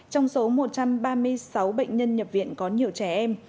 trong số một trăm ba mươi sáu bệnh nhân nhập viện có nhiều trẻ em